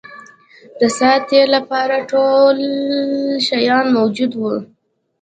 د سات تېري لپاره ټول شیان موجود وه.